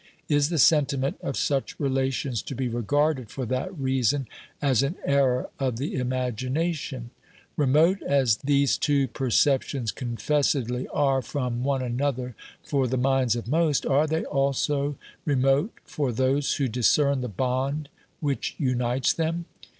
Is the sentiment of such relations to be regarded for that reason as an error of the imagination ? Remote as these two perceptions confessedly are from one another for the minds of most, are they also remote for those who discern the bond which unites them